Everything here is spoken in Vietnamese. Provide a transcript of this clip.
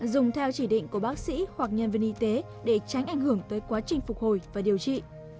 dùng theo chỉ định của bác sĩ hoặc nhân viên y tế để tránh ảnh hưởng tới quá trình phục hồi và điều trị